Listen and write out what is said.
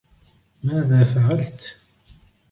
ماذا فعلتَ ؟